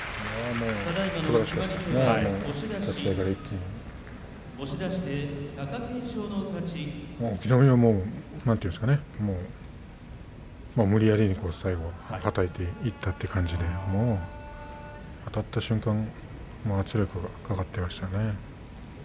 もう隠岐の海はなんていうんですかね無理やりに最後はたいていったという感じであたった瞬間圧力がかかっていましたね。